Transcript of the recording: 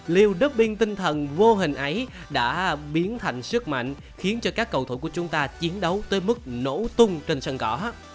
liều doping tinh thần vô hình ấy đã biến thành sức mạnh khiến cho các cầu thủ của chúng ta chiến đấu tới mức nổ tung trên sân cỏ